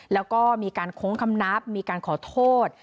แล้วก็มีการโค้งคำนับมีการขอโทษ